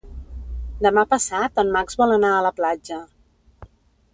Demà passat en Max vol anar a la platja.